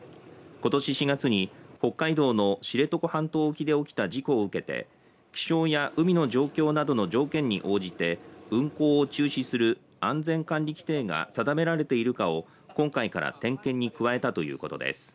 ことし４月に北海道の知床半島沖で起きた事故を受けて気象や海の状況などの条件に応じて運航を中止する安全管理規定が定められているかを今回から点検に加えたということです。